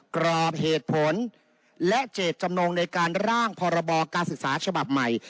กรอบเหตุผลและเจตจำนงในการร่างพรบการศึกษาฉบับใหม่